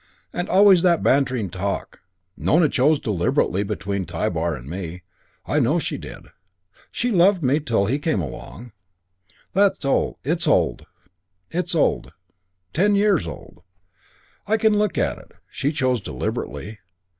And always that bantering talk. Nona chose deliberately between Tybar and me. I know she did. She loved me, till he came along. It's old. Ten years old. I can look at it. She chose deliberately.